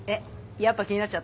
やっぱ気になっちゃった？